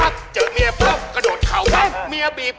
เผ็ดประตูกลางมุม